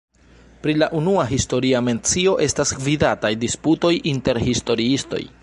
Pri la unua historia mencio estas gvidataj disputoj inter historiistoj.